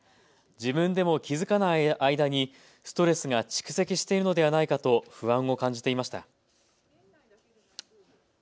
自分でも気付かない間にストレスが蓄積しているのではないかと不安を感じていました。